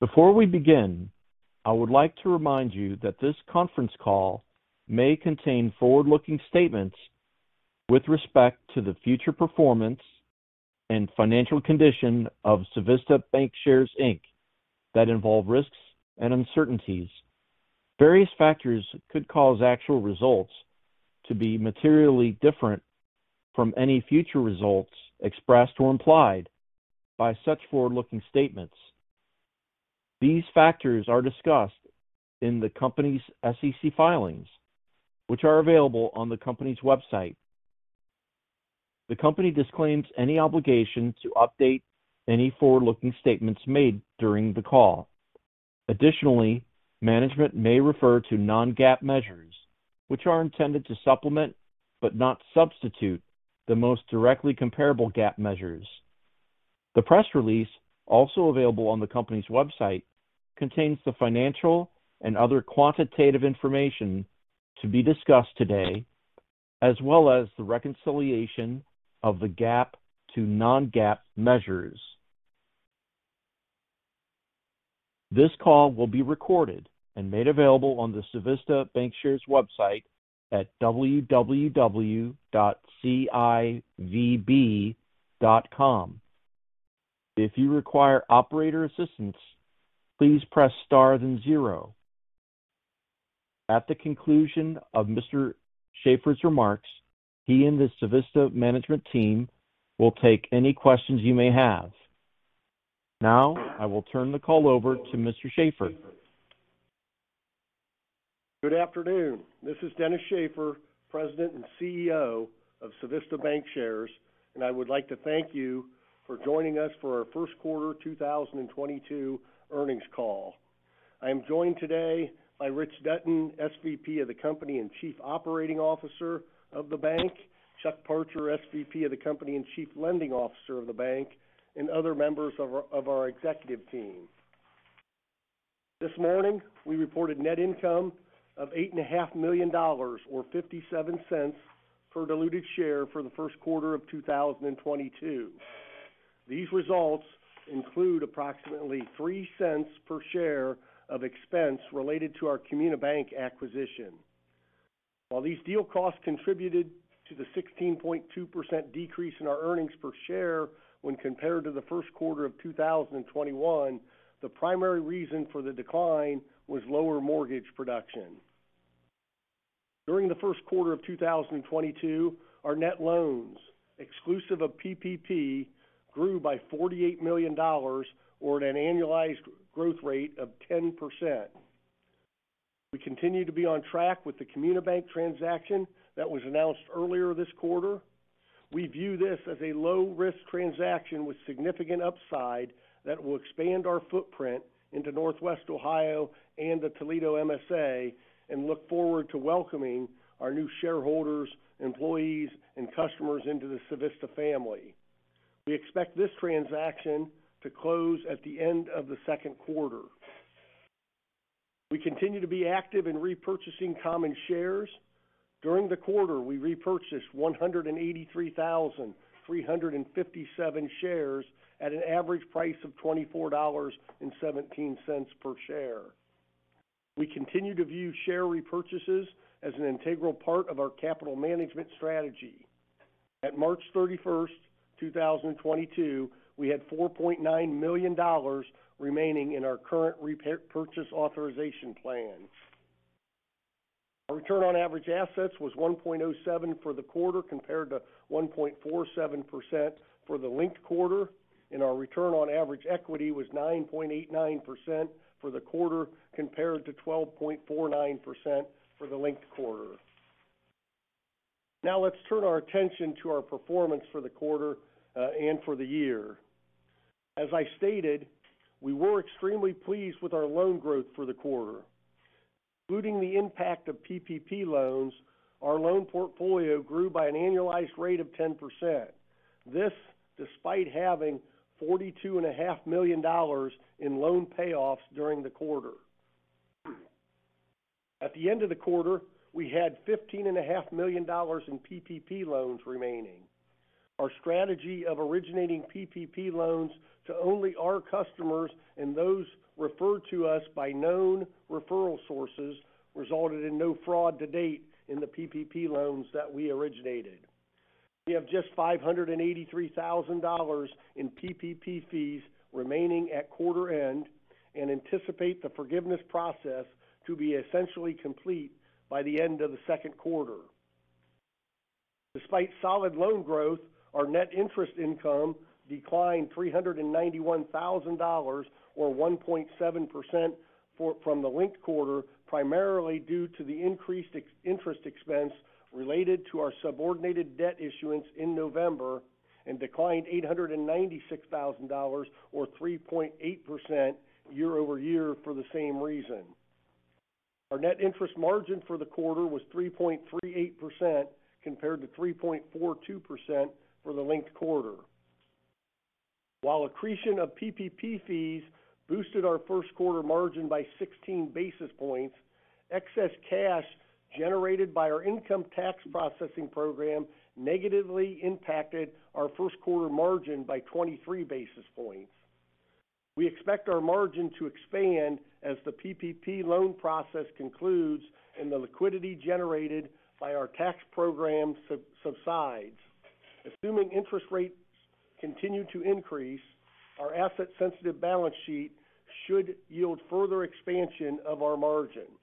Before we begin, I would like to remind you that this conference call may contain forward-looking statements with respect to the future performance and financial condition of Civista Bancshares, Inc. that involve risks and uncertainties. Various factors could cause actual results to be materially different from any future results expressed or implied by such forward-looking statements. These factors are discussed in the company's SEC filings, which are available on the company's website. The company disclaims any obligation to update any forward-looking statements made during the call. Additionally, management may refer to non-GAAP measures, which are intended to supplement, but not substitute, the most directly comparable GAAP measures. The press release, also available on the company's website, contains the financial and other quantitative information to be discussed today, as well as the reconciliation of the GAAP to non-GAAP measures. This call will be recorded and made available on the Civista Bancshares website at www.civb.com. If you require operator assistance, please press Star then zero. At the conclusion of Mr. Shaffer's remarks, he and the Civista management team will take any questions you may have. Now, I will turn the call over to Mr. Shaffer. Good afternoon. This is Dennis Shaffer, President and CEO of Civista Bancshares, and I would like to thank you for joining us for our Q1 2022 earnings call. I am joined today by Rich Dutton, SVP of the company and Chief Operating Officer of the bank, Chuck Parcher, SVP of the company and Chief Lending Officer of the bank, and other members of our executive team. This morning, we reported net income of $8.5 million or $0.57 per diluted share for the Q1 of 2022. These results include approximately $0.03 per share of expense related to our CommuniBanc acquisition. While these deal costs contributed to the 16.2% decrease in our earnings per share when compared to the Q1 of 2021, the primary reason for the decline was lower mortgage production. During the Q1 of 2022, our net loans, exclusive of PPP, grew by $48 million or at an annualized growth rate of 10%. We continue to be on track with the CommuniBanc Corp. transaction that was announced earlier this quarter. We view this as a low-risk transaction with significant upside that will expand our footprint into Northwest Ohio and the Toledo MSA, and look forward to welcoming our new shareholders, employees, and customers into the Civista family. We expect this transaction to close at the end of the Q2. We continue to be active in repurchasing common shares. During the quarter, we repurchased 183,357 shares at an average price of $24.17 per share. We continue to view share repurchases as an integral part of our capital management strategy. At March 31, 2022, we had $4.9 million remaining in our current repurchase authorization plan. Our return on average assets was 1.07% for the quarter, compared to 1.47% for the linked quarter, and our return on average equity was 9.89% for the quarter, compared to 12.49% for the linked quarter. Now, let's turn our attention to our performance for the quarter and for the year. As I stated, we were extremely pleased with our loan growth for the quarter. Including the impact of PPP loans, our loan portfolio grew by an annualized rate of 10%. This, despite having $42.5 million in loan payoffs during the quarter. At the end of the quarter, we had $15.5 million in PPP loans remaining. Our strategy of originating PPP loans to only our customers and those referred to us by known referral sources resulted in no fraud to date in the PPP loans that we originated. We have just $583,000 in PPP fees remaining at quarter end and anticipate the forgiveness process to be essentially complete by the end of the second quarter. Despite solid loan growth, our net interest income declined $391,000 or 1.7% from the linked quarter, primarily due to the increased interest expense related to our subordinated debt issuance in November, and declined $896,000 or 3.8% year-over-year for the same reason. Our net interest margin for the quarter was 3.38% compared to 3.42% for the linked quarter. While accretion of PPP fees boosted our Q1 margin by 16 basis points. Excess cash generated by our income tax processing program negatively impacted our Q1 margin by 23 basis points. We expect our margin to expand as the PPP loan process concludes and the liquidity generated by our tax program subsides. Assuming interest rates continue to increase, our asset-sensitive balance sheet should yield further expansion of our margins.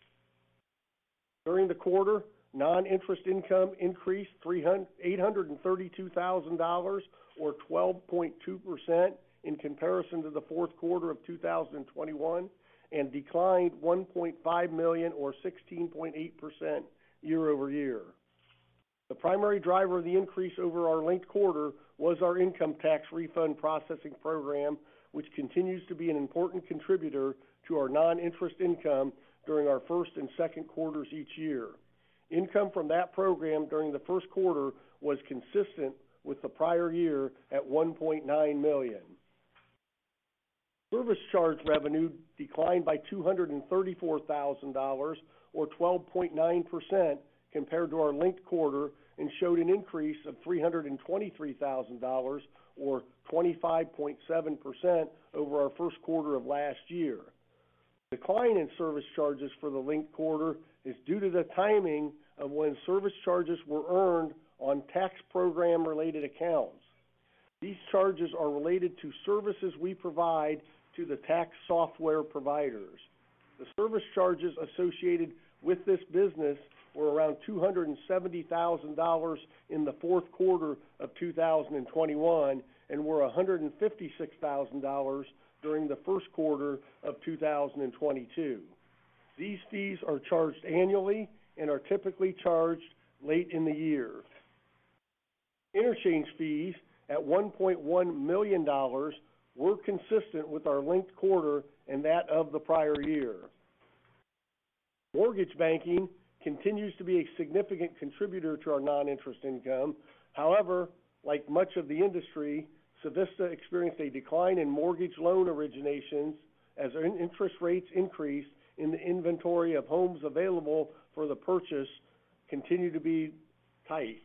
During the quarter, non-interest income increased $832,000 or 12.2% in comparison to the Q4 of 2021, and declined $1.5 million or 16.8% year-over-year. The primary driver of the increase over our linked quarter was our income tax refund processing program, which continues to be an important contributor to our non-interest income during our Q1 and Q2 each year. Income from that program during the Q1 was consistent with the prior year at $1.9 million. Service charge revenue declined by $234 thousand or 12.9% compared to our linked quarter and showed an increase of $323 thousand or 25.7% over our Q1 of last year. Decline in service charges for the linked quarter is due to the timing of when service charges were earned on tax program related accounts. These charges are related to services we provide to the tax software providers. The service charges associated with this business were around $270 thousand in the Q4 of 2021, and were $156 thousand during the first quarter of 2022. These fees are charged annually and are typically charged late in the year. Interchange fees at $1.1 million were consistent with our linked quarter and that of the prior year. Mortgage banking continues to be a significant contributor to our non-interest income. However, like much of the industry, Civista experienced a decline in mortgage loan originations as interest rates increased and the inventory of homes available for purchase continues to be tight.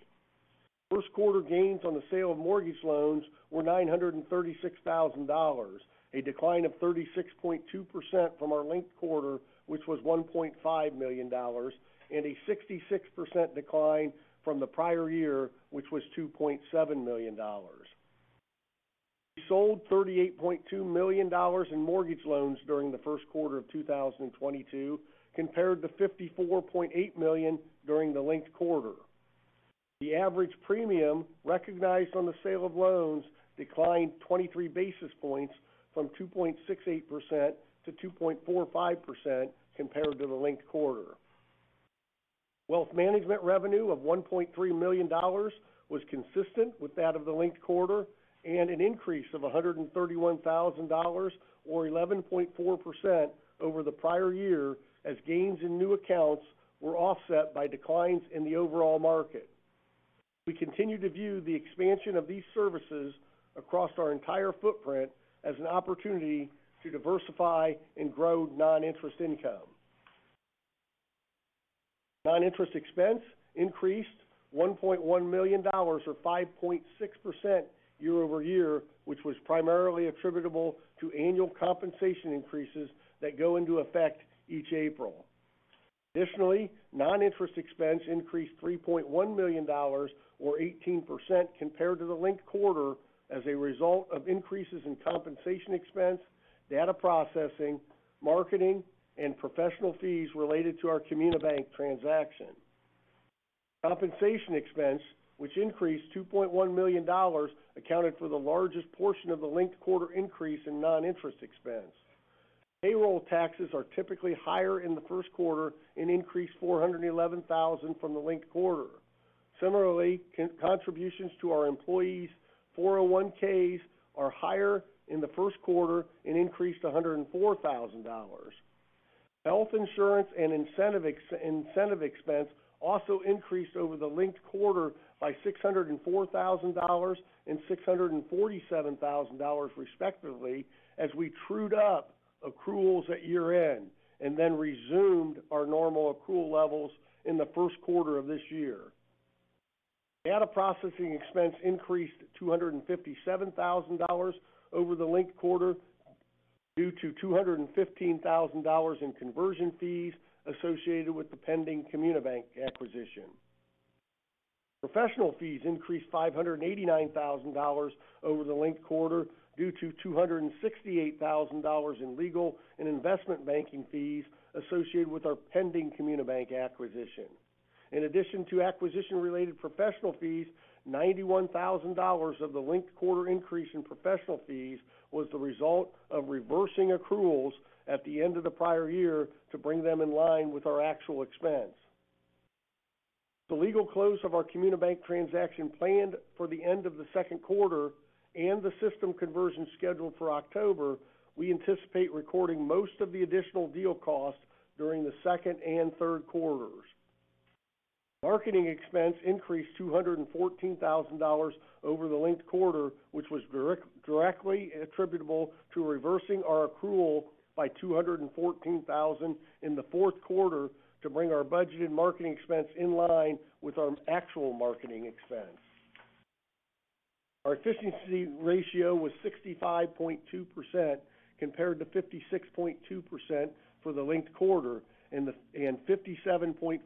Q1 gains on the sale of mortgage loans were $936,000, a decline of 36.2% from our linked quarter, which was $1.5 million, and a 66% decline from the prior year, which was $2.7 million. We sold $38.2 million in mortgage loans during the Q1 of 2022, compared to $54.8 million during the linked quarter. The average premium recognized on the sale of loans declined 23 basis points from 2.68% to 2.45% compared to the linked quarter. Wealth management revenue of $1.3 million was consistent with that of the linked quarter, and an increase of $131,000 or 11.4% over the prior year as gains in new accounts were offset by declines in the overall market. We continue to view the expansion of these services across our entire footprint as an opportunity to diversify and grow non-interest income. Non-interest expense increased $1.1 million or 5.6% year-over-year, which was primarily attributable to annual compensation increases that go into effect each April. Non-interest expense increased $3.1 million or 18% compared to the linked quarter as a result of increases in compensation expense, data processing, marketing, and professional fees related to our Comunibanc transaction. Compensation expense, which increased $2.1 million, accounted for the largest portion of the linked quarter increase in non-interest expense. Payroll taxes are typically higher in the Q1 and increased $411,000 from the linked quarter. Similarly, contributions to our employees' 401(k)s are higher in the Q1 and increased $104,000. Health insurance and incentive expense also increased over the linked quarter by $604 thousand and $647 thousand, respectively, as we trued up accruals at year-end and then resumed our normal accrual levels in the Q1 of this year. Data processing expense increased $257 thousand over the linked quarter due to $215 thousand in conversion fees associated with the pending Comunibanc acquisition. Professional fees increased $589 thousand over the linked quarter due to $268 thousand in legal and investment banking fees associated with our pending Comunibanc acquisition. In addition to acquisition related professional fees, $91,000 of the linked quarter increase in professional fees was the result of reversing accruals at the end of the prior year to bring them in line with our actual expense. The legal close of our Comunibanc transaction planned for the end of the Q2 and the system conversion scheduled for October. We anticipate recording most of the additional deal costs during the Q2 and Q3. Marketing expense increased $214,000 over the linked quarter, which was directly attributable to reversing our accrual by $214,000 in the Q4 to bring our budgeted marketing expense in line with our actual marketing expense. Our efficiency ratio was 65.2% compared to 56.2% for the linked quarter and 57.4%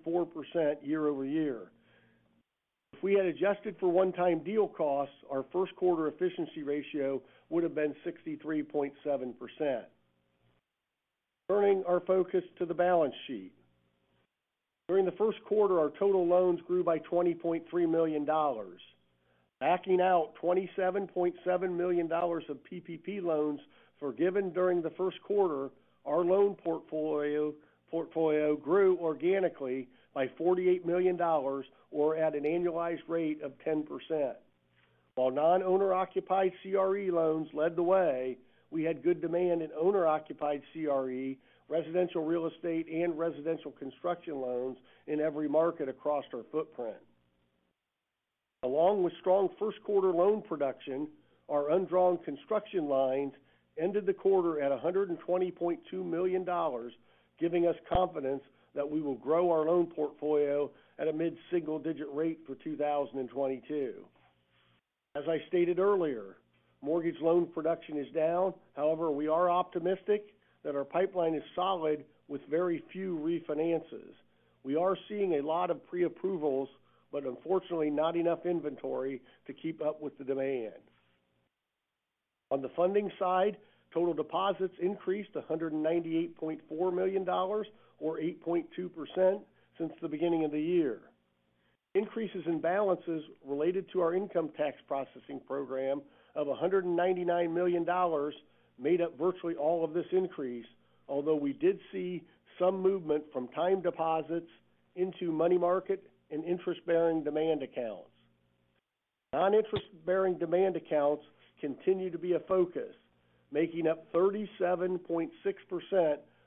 year-over-year. If we had adjusted for one-time deal costs, our Q1 efficiency ratio would have been 63.7%. Turning our focus to the balance sheet. During the Q1, our total loans grew by $20.3 million. Backing out $27.7 million of PPP loans forgiven during the Q1, our loan portfolio grew organically by $48 million or at an annualized rate of 10%. While non-owner-occupied CRE loans led the way, we had good demand in owner-occupied CRE, residential real estate, and residential construction loans in every market across our footprint. Along with strong Q1 loan production, our undrawn construction lines ended the quarter at $120.2 million, giving us confidence that we will grow our loan portfolio at a mid-single-digit rate for 2022. As I stated earlier, mortgage loan production is down. However, we are optimistic that our pipeline is solid with very few refinances. We are seeing a lot of pre-approvals, but unfortunately not enough inventory to keep up with the demand. On the funding side, total deposits increased $198.4 million or 8.2% since the beginning of the year. Increases in balances related to our income tax processing program of $199 million made up virtually all of this increase, although we did see some movement from time deposits into money market and interest-bearing demand accounts. Non-interest-bearing demand accounts continue to be a focus, making up 37.6%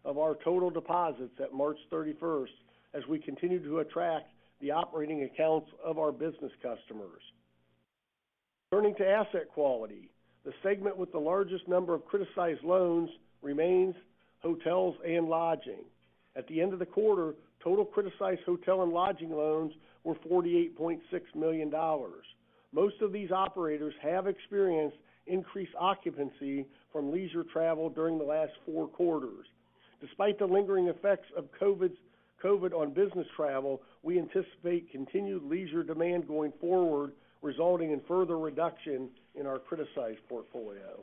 of our total deposits at March thirty-first, as we continue to attract the operating accounts of our business customers. Turning to asset quality. The segment with the largest number of criticized loans remains hotels and lodging. At the end of the quarter, total criticized hotel and lodging loans were $48.6 million. Most of these operators have experienced increased occupancy from leisure travel during the last four quarters. Despite the lingering effects of COVID-19 on business travel, we anticipate continued leisure demand going forward, resulting in further reduction in our criticized portfolio.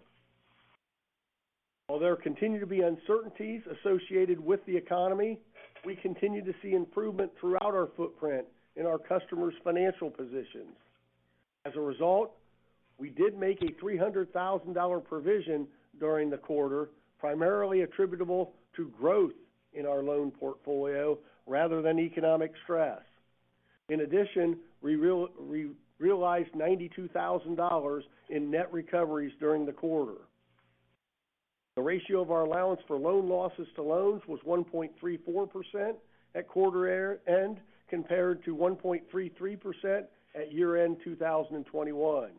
While there continue to be uncertainties associated with the economy, we continue to see improvement throughout our footprint in our customers' financial positions. As a result, we did make a $300,000 provision during the quarter, primarily attributable to growth in our loan portfolio rather than economic stress. In addition, we realized $92,000 in net recoveries during the quarter. The ratio of our allowance for loan losses to loans was 1.34% at quarter-end, compared to 1.33% at year-end 2021.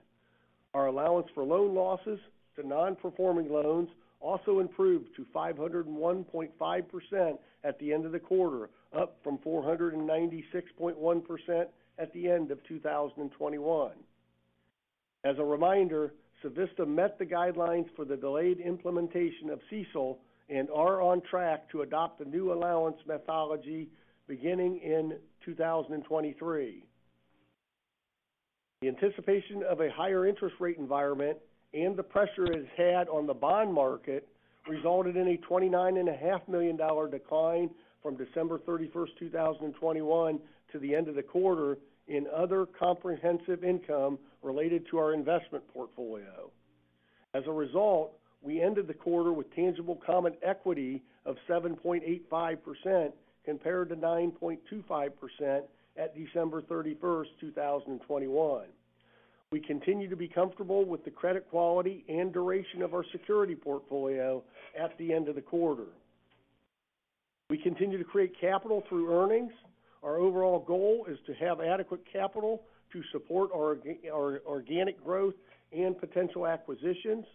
Our allowance for loan losses to non-performing loans also improved to 501.5% at the end of the quarter, up from 496.1% at the end of 2021. As a reminder, Civista met the guidelines for the delayed implementation of CECL and are on track to adopt the new allowance methodology beginning in 2023. The anticipation of a higher interest rate environment and the pressure it has had on the bond market resulted in a $29.5 million decline from December 31, 2021 to the end of the quarter in other comprehensive income related to our investment portfolio. As a result, we ended the quarter with tangible common equity of 7.85% compared to 9.25% at December 31, 2021. We continue to be comfortable with the credit quality and duration of our security portfolio at the end of the quarter. We continue to create capital through earnings. Our overall goal is to have adequate capital to support our organic growth and potential acquisitions.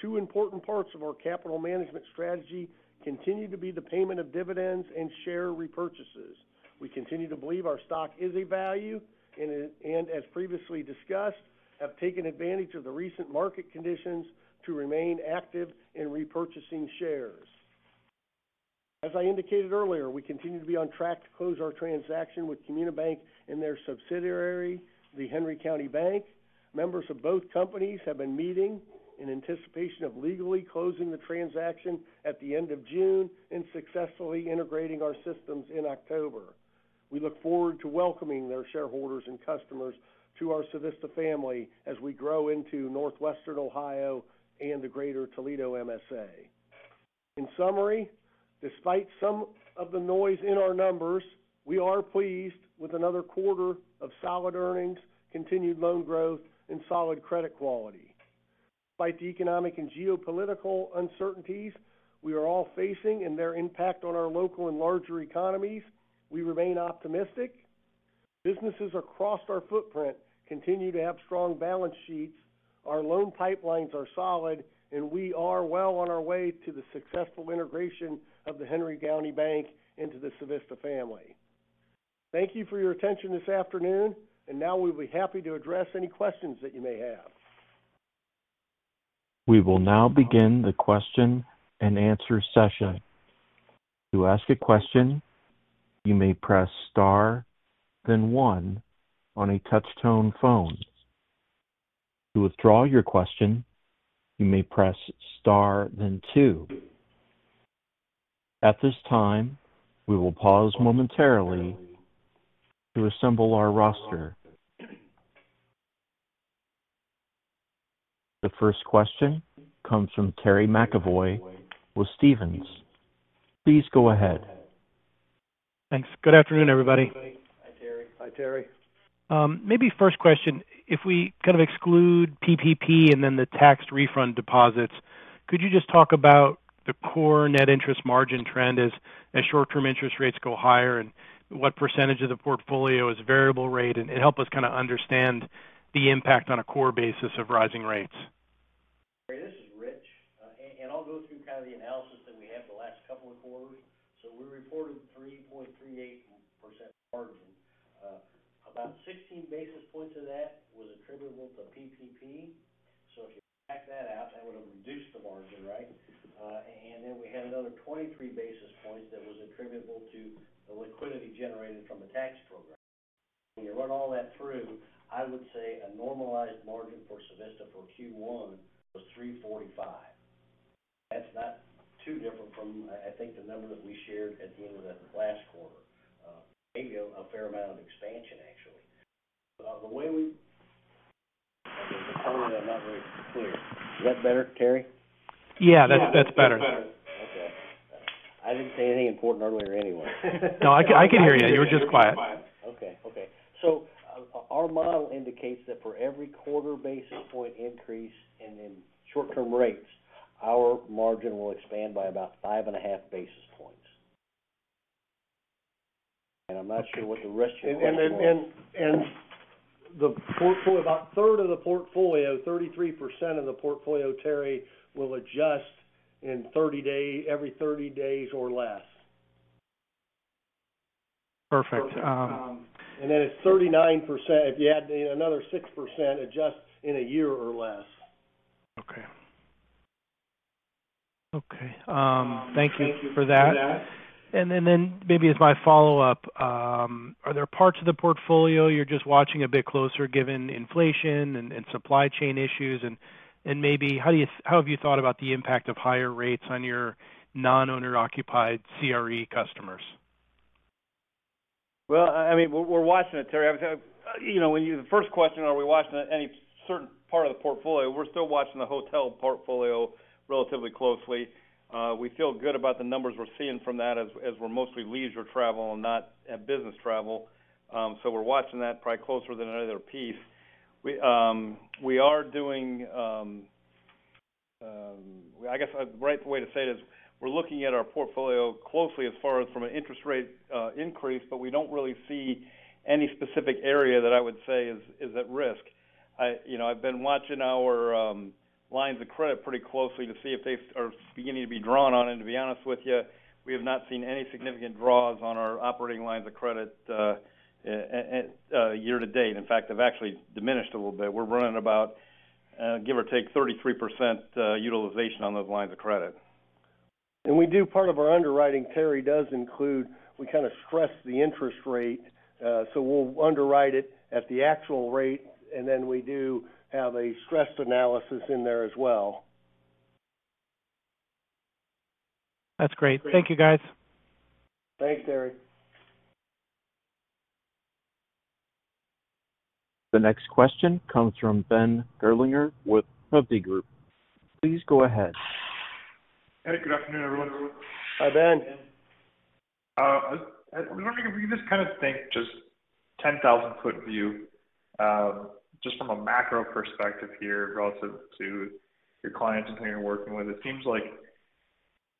Two important parts of our capital management strategy continue to be the payment of dividends and share repurchases. We continue to believe our stock is a value and as previously discussed, have taken advantage of the recent market conditions to remain active in repurchasing shares. As I indicated earlier, we continue to be on track to close our transaction with Comunibanc and their subsidiary, the Henry County Bank. Members of both companies have been meeting in anticipation of legally closing the transaction at the end of June and successfully integrating our systems in October. We look forward to welcoming their shareholders and customers to our Civista family as we grow into northwestern Ohio and the Greater Toledo MSA. In summary, despite some of the noise in our numbers, we are pleased with another quarter of solid earnings, continued loan growth, and solid credit quality. Despite the economic and geopolitical uncertainties we are all facing and their impact on our local and larger economies, we remain optimistic. Businesses across our footprint continue to have strong balance sheets. Our loan pipelines are solid, and we are well on our way to the successful integration of the Henry County Bank into the Civista family. Thank you for your attention this afternoon, and now we'll be happy to address any questions that you may have. We will now begin the question-and-answer session. To ask a question, you may press star then one on a touch-tone phone. To withdraw your question, you may press star then two. At this time, we will pause momentarily to assemble our roster. The first question comes from Terry McEvoy with Stephens. Please go ahead. Thanks. Good afternoon, everybody. Good afternoon. Hi, Terry. Hi, Terry. Maybe first question, if we kind of exclude PPP and then the tax refund deposits, could you just talk about the core net interest margin trend as short-term interest rates go higher, and what percentage of the portfolio is variable rate? Help us kind of understand the impact on a core basis of rising rates. This is Rich. I'll go through kind of the analysis that we had the last couple of quarters. We reported 3.38% margin. About 16 basis points of that was attributable to PPP. If you back that out, that would have reduced the margin, right? And then we had another 23 basis points that was attributable to the liquidity generated from the tax program. When you run all that through, I would say a normalized margin for Civista for Q1 was 3.45%. That's not too different from, I think, the number that we shared at the end of the last quarter. Maybe a fair amount of expansion, actually. Sorry, I'm not very clear. Is that better, Terry? Yeah, that's better. Okay. I didn't say anything important earlier anyway. No, I can hear you. You were just quiet. Okay. Our model indicates that for every quarter basis point increase in short-term rates, our margin will expand by about 5.5 basis points. I'm not sure what the rest of your question was. About a third of the portfolio, 33% of the portfolio, Terry, will adjust every 30 days or less. Perfect. It's 39%. If you add another 6%, adjusts in a year or less. Okay. Thank you for that. Maybe as my follow-up, are there parts of the portfolio you're just watching a bit closer given inflation and supply chain issues? Maybe how have you thought about the impact of higher rates on your non-owner occupied CRE customers? I mean, we're watching it, Terry. You know, the first question, are we watching any certain part of the portfolio? We're still watching the hotel portfolio relatively closely. We feel good about the numbers we're seeing from that as we're mostly leisure travel and not business travel. We're watching that probably closer than any other piece. I guess the right way to say it is we're looking at our portfolio closely as far as from an interest rate increase, but we don't really see any specific area that I would say is at risk. You know, I've been watching our lines of credit pretty closely to see if they are beginning to be drawn on. To be honest with you, we have not seen any significant draws on our operating lines of credit year to date. In fact, they've actually diminished a little bit. We're running about give or take 33% utilization on those lines of credit. Part of our underwriting, Terry, does include. We kind of stress the interest rate, so we'll underwrite it at the actual rate, and then we do have a stressed analysis in there as well. That's great. Thank you, guys. Thanks, Terry. The next question comes from Ben Gerlinger with Hovde Group. Please go ahead. Hey, good afternoon, everyone. Hi, Ben. I was wondering if we could just kind of think just 10,000-foot view, just from a macro perspective here relative to your clients and who you're working with. It seems like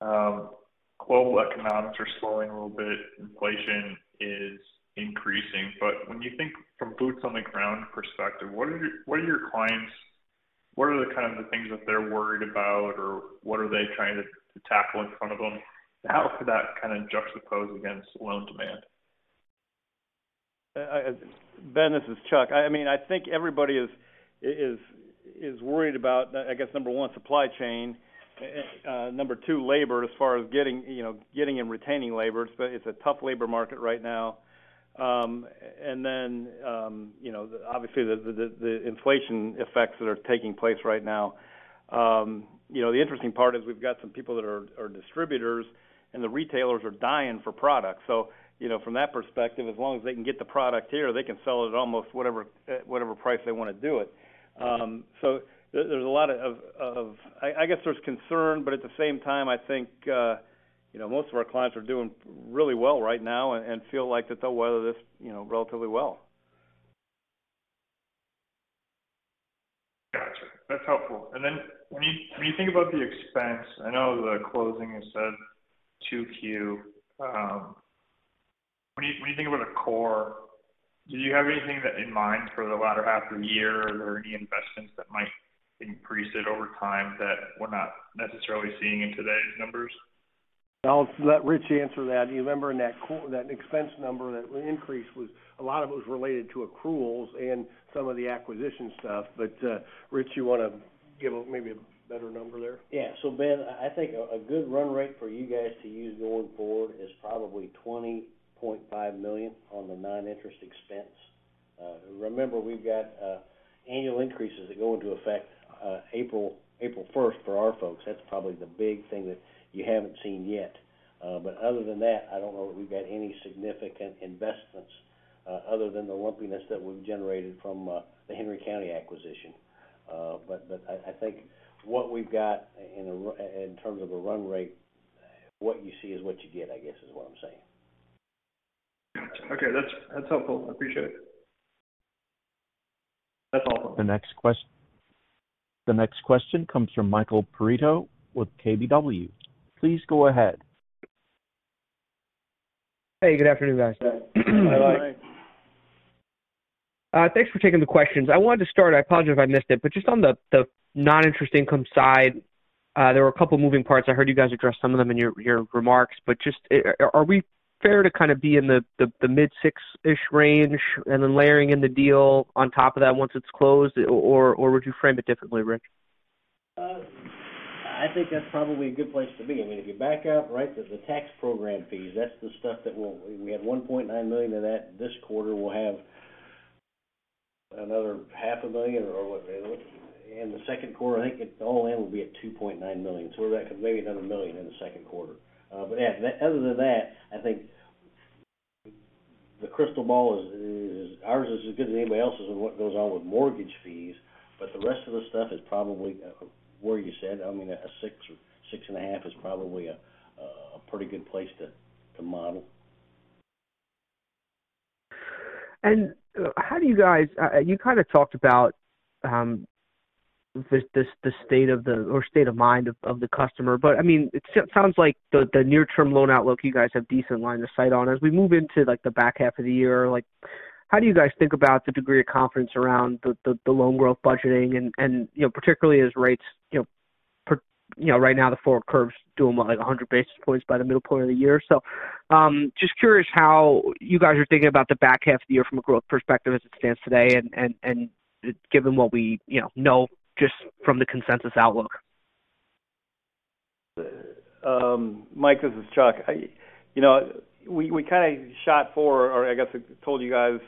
global economics are slowing a little bit, inflation is increasing. But when you think from boots on the ground perspective, what are the kind of things that they're worried about, or what are they trying to tackle in front of them? How could that kind of juxtapose against loan demand? Ben, this is Chuck. I mean, I think everybody is worried about, I guess, number one, supply chain, number two, labor, as far as getting, you know, getting and retaining labor. It's a tough labor market right now. Then, you know, obviously the inflation effects that are taking place right now. You know, the interesting part is we've got some people that are distributors, and the retailers are dying for product. So, you know, from that perspective, as long as they can get the product here, they can sell it at almost whatever, at whatever price they want to do it. There's a lot of. I guess there's concern, but at the same time, I think, you know, most of our clients are doing really well right now and feel like that they'll weather this, you know, relatively well. Gotcha. That's helpful. When you think about the expense, I know the closing you said 2Q. When you think about a core, do you have anything in mind for the latter half of the year? Are there any investments that might increase it over time that we're not necessarily seeing in today's numbers? I'll let Rich answer that. You remember in that expense number that increased was a lot of it was related to accruals and some of the acquisition stuff. Rich, you wanna give maybe a better number there? Yeah. Ben, I think a good run rate for you guys to use going forward is probably $20.5 million on the non-interest expense. Remember, we've got annual increases that go into effect April first for our folks. That's probably the big thing that you haven't seen yet. But other than that, I don't know that we've got any significant investments other than the lumpiness that we've generated from the Henry County acquisition. But I think what we've got in terms of a run rate, what you see is what you get, I guess, is what I'm saying. Gotcha. Okay. That's helpful. I appreciate it. That's all. The next question comes from Michael Perito with KBW. Please go ahead. Hey, good afternoon, guys. Hi. Hi. Thanks for taking the questions. I wanted to start, I apologize if I missed it, but just on the non-interest income side, there were a couple moving parts. I heard you guys address some of them in your remarks, but just, are we fair to kind of be in the mid six-ish range and then layering in the deal on top of that once it's closed, or would you frame it differently, Rich? I think that's probably a good place to be. I mean, if you back out, right, the tax program fees, that's the stuff that we had $1.9 million of that this quarter. We'll have another half a million or what in the Q2. I think all in will be at $2.9 million. We're back at maybe another $1 million in the Q2. But yeah, other than that, I think the crystal ball is ours as good as anybody else's on what goes on with mortgage fees, but the rest of the stuff is probably where you said. I mean, 6% or 6.5% is probably a pretty good place to model. How do you guys... you kind of talked about the state of mind of the customer. I mean, it sounds like the near term loan outlook, you guys have decent line of sight on. As we move into, like, the back half of the year, like, how do you guys think about the degree of confidence around the loan growth budgeting and, you know, particularly as rates, you know, per, you know, right now the forward curve's doing like 100 basis points by the middle point of the year. Just curious how you guys are thinking about the back half of the year from a growth perspective as it stands today and given what we, you know just from the consensus outlook. Mike, this is Chuck. You know, we kind of shot for or I guess told you guys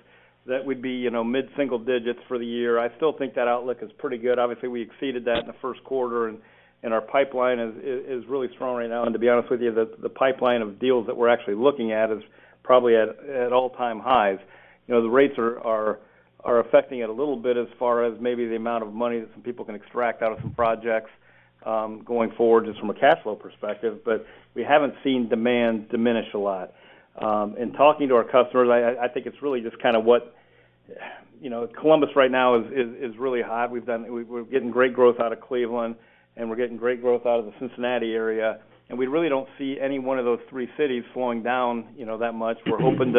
that we'd be, you know, mid-single digits for the year. I still think that outlook is pretty good. Obviously, we exceeded that in the Q1 and our pipeline is really strong right now. To be honest with you, the pipeline of deals that we're actually looking at is probably at all-time highs. You know, the rates are affecting it a little bit as far as maybe the amount of money that some people can extract out of some projects, going forward, just from a cash flow perspective, but we haven't seen demand diminish a lot. In talking to our customers, I think it's really just kind of what, you know, Columbus right now is really hot. We're getting great growth out of Cleveland, and we're getting great growth out of the Cincinnati area, and we really don't see any one of those three cities slowing down, you know, that much. We're hoping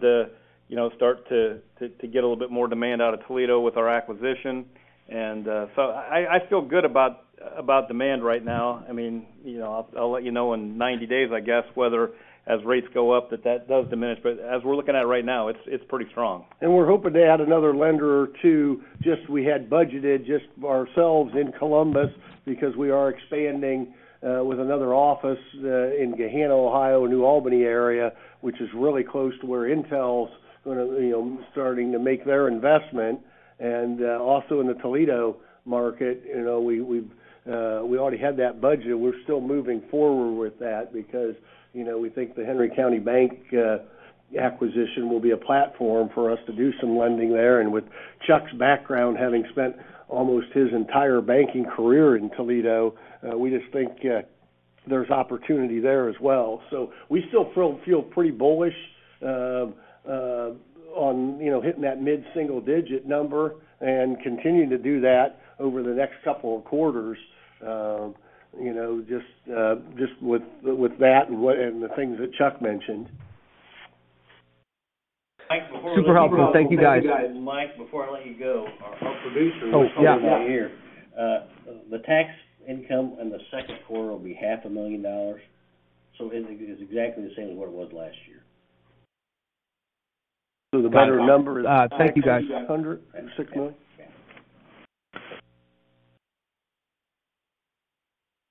to, you know, start to get a little bit more demand out of Toledo with our acquisition. So I feel good about demand right now. I mean, you know, I'll let you know in 90 days, I guess, whether as rates go up, that does diminish. As we're looking at it right now, it's pretty strong. We're hoping to add another lender or two, just we had budgeted just ourselves in Columbus because we are expanding, with another office, in Gahanna, Ohio, New Albany area, which is really close to where Intel's gonna, you know, starting to make their investment. Also in the Toledo market, you know, we already had that budget. We're still moving forward with that because, you know, we think The Henry County Bank acquisition will be a platform for us to do some lending there. With Chuck's background, having spent almost his entire banking career in Toledo, we just think, there's opportunity there as well. We still feel pretty bullish on, you know, hitting that mid-single digit number and continuing to do that over the next couple of quarters, you know, just with that and the things that Chuck mentioned. Super helpful. Thank you, guys. Michael, before I let you go, our producer. Oh, yeah. Was talking about here. The tax income in the Q2 will be $ half a million, so it's exactly the same as what it was last year. The better number is. Thank you, guys. $600? $6 million?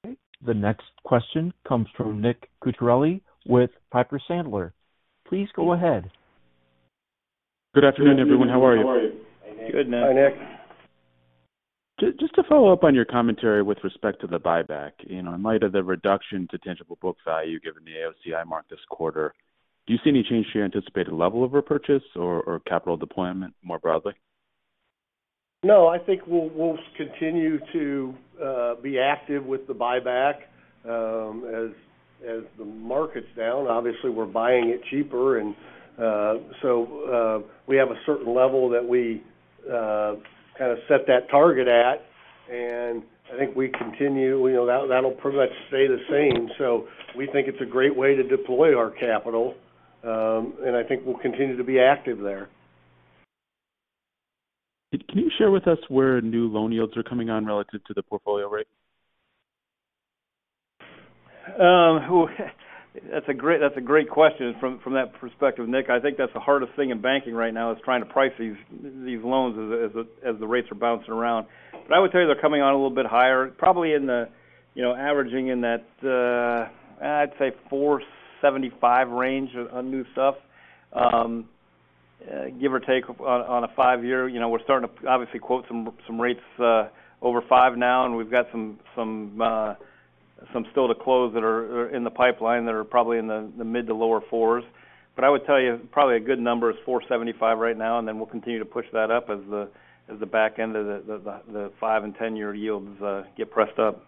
Yeah. The next question comes from Nick Cucharale with Piper Sandler. Please go ahead. Good afternoon, everyone. How are you? Good afternoon. How are you? Hey, Nick. Good, Nick. Hi, Nick. Just to follow up on your commentary with respect to the buyback, you know, in light of the reduction to tangible book value given the AOCI mark this quarter, do you see any change to your anticipated level of repurchase or capital deployment more broadly? No, I think we'll continue to be active with the buyback, as the market's down. Obviously, we're buying it cheaper and so we have a certain level that we kind of set that target at, and I think we continue. You know, that'll pretty much stay the same. We think it's a great way to deploy our capital, and I think we'll continue to be active there. Can you share with us where new loan yields are coming on relative to the portfolio rate? That's a great question from that perspective, Nick. I think that's the hardest thing in banking right now is trying to price these loans as the rates are bouncing around. I would tell you they're coming on a little bit higher, probably averaging in that 4.75% range on new stuff, give or take on a five-year. You know, we're starting to obviously quote some rates over 5% now, and we've got some still to close that are in the pipeline that are probably in the mid- to lower 4s. I would tell you probably a good number is 4.75% right now, and then we'll continue to push that up as the back end of the five and 10-year yields get pressed up.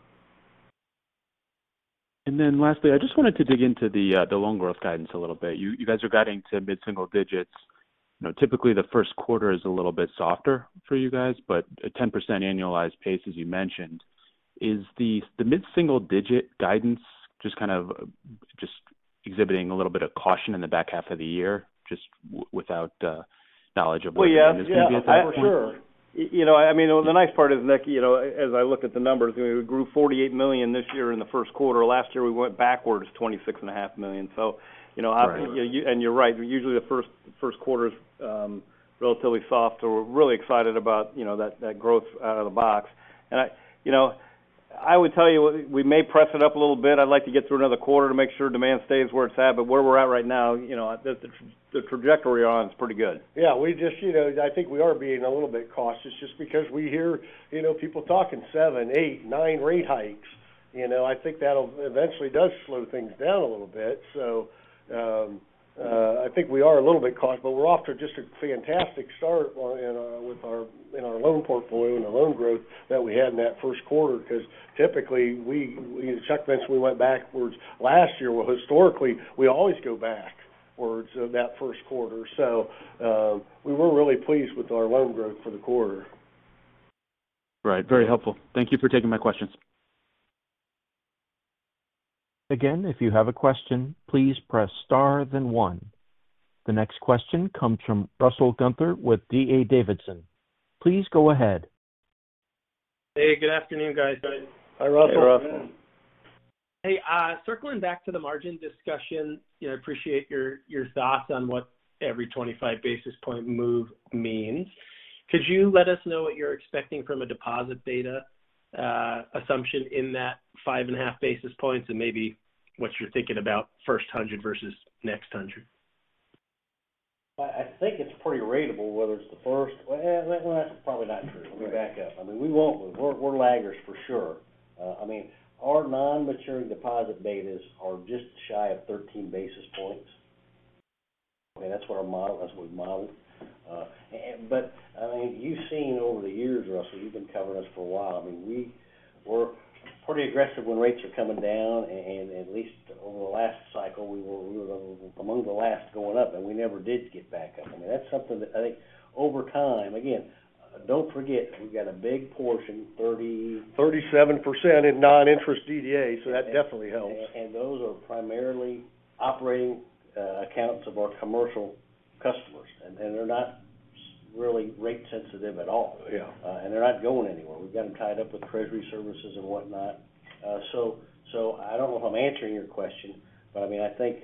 Then lastly, I just wanted to dig into the loan growth guidance a little bit. You guys are guiding to mid-single digits. You know, typically the Q1 is a little bit softer for you guys, but a 10% annualized pace, as you mentioned. Is the mid-single digit guidance just kind of exhibiting a little bit of caution in the back half of the year, just without knowledge of where the end is going to be at some point? Well, yeah, sure. You know, I mean, the nice part is, Nick, you know, as I look at the numbers, we grew $48 million this year in the Q1. Last year, we went backwards $26.5 million. You know- Right. You're right. Usually the Q1 is relatively soft, so we're really excited about, you know, that growth out of the box. I, you know, would tell you, we may press it up a little bit. I'd like to get through another quarter to make sure demand stays where it's at. Where we're at right now, you know, the trajectory on is pretty good. Yeah, we just, you know, I think we are being a little bit cautious just because we hear, you know, people talking seven, eight, nine rate hikes. You know, I think that'll eventually does slow things down a little bit. I think we are a little bit cautious, but we're off to just a fantastic start in our loan portfolio and our loan growth that we had in that Q1. Because typically, we, Chuck mentioned we went backwards last year. Well, historically, we always go backwards of that Q1. We were really pleased with our loan growth for the quarter. Right. Very helpful. Thank you for taking my questions. Again, if you have a question, please press star then one. The next question comes from Russell Gunther with D.A. Davidson. Please go ahead. Hey, good afternoon, guys. Hi, Russell. Hey, Russell. Hey, circling back to the margin discussion, you know, appreciate your thoughts on what every 25 basis point move means. Could you let us know what you're expecting from a deposit beta assumption in that 5.5 basis points and maybe what you're thinking about first 100 versus next 100? I think it's pretty ratable, whether it's the first. Well, that's probably not true. Let me back up. I mean, we're laggards for sure. I mean, our non-maturing deposit betas are just shy of 13 basis points. I mean, that's what our model, that's what we've modeled. But I mean, you've seen over the years, Russell, you've been covering us for a while. I mean, we're pretty aggressive when rates are coming down, and at least over the last cycle, we were among the last going up, and we never did get back up. I mean, that's something that I think over time, again, don't forget, we've got a big portion, 30%-37% in non-interest DDAs, so that definitely helps. Those are primarily operating accounts of our commercial customers, and they're not really rate sensitive at all. Yeah. They're not going anywhere. We've got them tied up with treasury services and whatnot. I don't know if I'm answering your question, but I mean, I think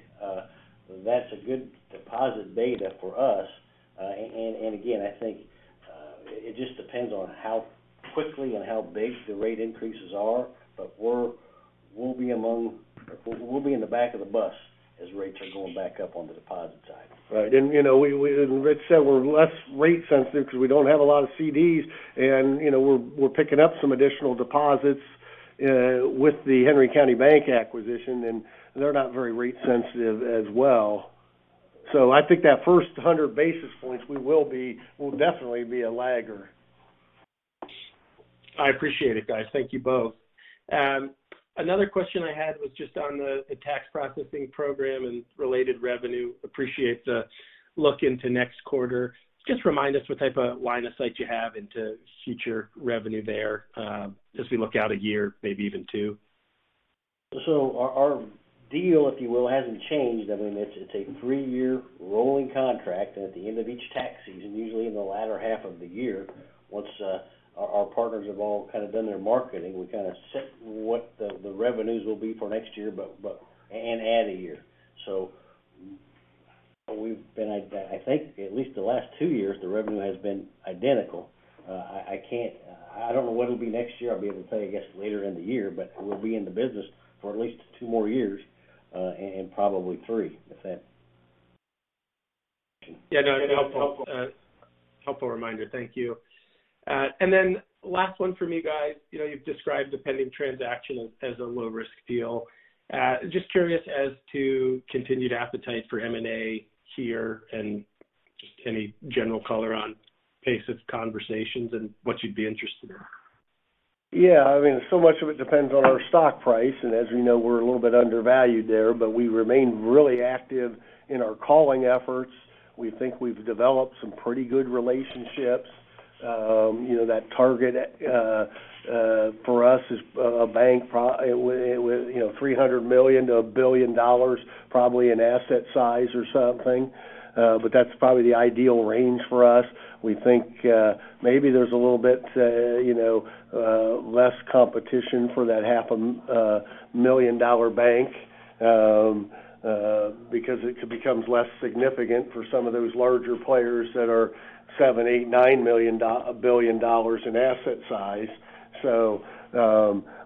that's a good deposit beta for us. Again, I think it just depends on how quickly and how big the rate increases are. We'll be in the back of the bus as rates are going back up on the deposit side. Right. You know, we and Rich said we're less rate sensitive because we don't have a lot of CDs and, you know, we're picking up some additional deposits with the Henry County Bank acquisition, and they're not very rate sensitive as well. I think that first 100 basis points, we'll definitely be a lagger. I appreciate it, guys. Thank you both. Another question I had was just on the tax processing program and related revenue. Appreciate the look into next quarter. Just remind us what type of line of sight you have into future revenue there, as we look out a year, maybe even two. Our deal, if you will, hasn't changed. I mean, it's a three-year rolling contract, and at the end of each tax season, usually in the latter half of the year, once our partners have all kind of done their marketing, we kind of set what the revenues will be for next year and add a year. We've been. I think at least the last two years, the revenue has been identical. I don't know what it'll be next year. I'll be able to tell you, I guess, later in the year, but we'll be in the business for at least two more years and probably three, if that. Yeah, no, helpful. Helpful reminder. Thank you. Last one for me, guys. You know, you've described the pending transaction as a low-risk deal. Just curious as to continued appetite for M&A here and just any general color on pace of conversations and what you'd be interested in. Yeah, I mean, so much of it depends on our stock price, and as we know, we're a little bit undervalued there, but we remain really active in our calling efforts. We think we've developed some pretty good relationships. You know, that target for us is $300 million-$1 billion probably in asset size or something. That's probably the ideal range for us. We think maybe there's a little bit you know less competition for that half a million-dollar bank because it could becomes less significant for some of those larger players that are 7, 8, 9 billion dollars in asset size.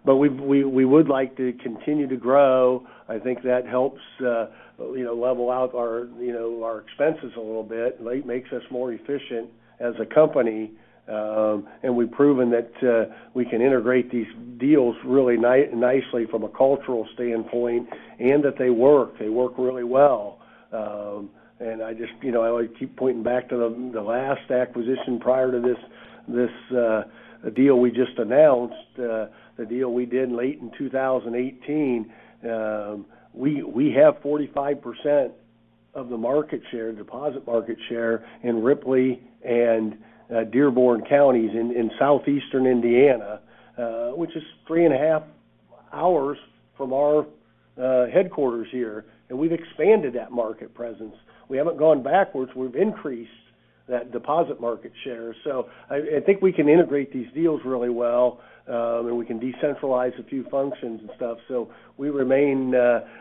We would like to continue to grow. I think that helps, you know, level out our, you know, our expenses a little bit. Like, makes us more efficient as a company. We've proven that, we can integrate these deals really nicely from a cultural standpoint, and that they work really well. I just, you know, I like keep pointing back to the last acquisition prior to this deal we just announced. The deal we did late in 2018, we have 45% of the market share, deposit market share in Ripley and Dearborn Counties in southeastern Indiana, which is three and a half hours from our headquarters here. We've expanded that market presence. We haven't gone backwards, we've increased that deposit market share. I think we can integrate these deals really well, and we can decentralize a few functions and stuff. We remain,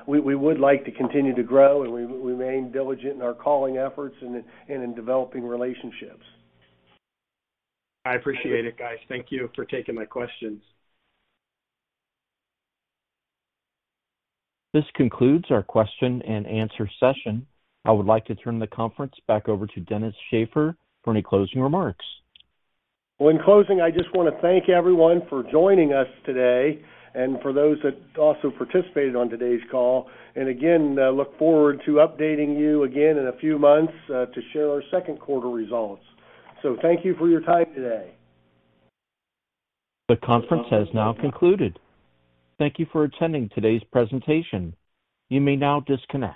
we would like to continue to grow, and we remain diligent in our calling efforts and in developing relationships. I appreciate it, guys. Thank you for taking my questions. This concludes our question and answer session. I would like to turn the conference back over to Dennis Shaffer for any closing remarks. Well, in closing, I just wanna thank everyone for joining us today, and for those that also participated on today's call. Again, I look forward to updating you again in a few months, to share our Q2 results. Thank you for your time today. The conference has now concluded. Thank you for attending today's presentation. You may now disconnect.